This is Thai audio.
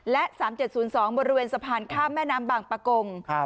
และ๓๗๐๒บริเวณสะพานข้ามแม่น้ำบางปะกง